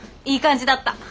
いい感じだった。